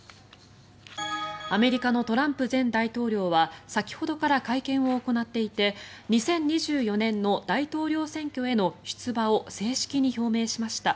アメリカのトランプ前大統領は先ほどから会見を行っていて２０２４年の大統領選挙への出馬を正式に表明しました。